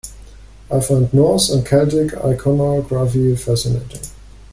I find Norse and Celtic iconography fascinating.